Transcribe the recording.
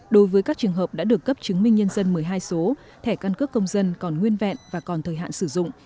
đối với các trường hợp đã được cấp chứng minh nhân dân một mươi hai số thẻ căn cước công dân còn nguyên vẹn và còn thời hạn sử dụng